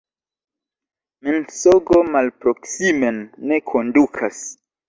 Mensogo malproksimen ne kondukas.